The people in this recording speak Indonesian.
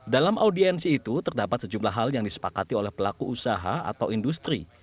dalam audiensi itu terdapat sejumlah hal yang disepakati oleh pelaku usaha atau industri